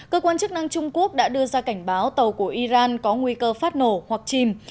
cơ quan chức năng trung quốc đã đưa ra cảnh báo tàu của iran có nguy cơ phát nổ hoặc chìm